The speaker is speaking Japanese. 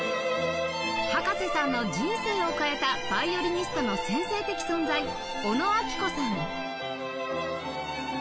葉加瀬さんの人生を変えたヴァイオリニストの先生的存在小野明子さん